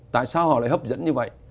tại sao họ lại hấp dẫn như vậy